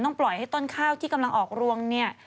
ปล่อยให้ต้นข้าวที่กำลังออกรวงเนี่ย